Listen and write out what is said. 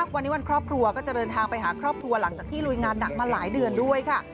วันนี้วันครอบครัวก็จะเดินทางไปหาครอบครัวหลังจากที่ลุยงานหนักมาหลายเดือนด้วยค่ะ